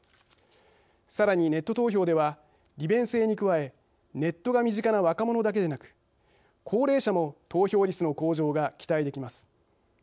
さらにネット投票では利便性に加えネットが身近な若者だけでなく高齢者も投票率の向上が期待できます。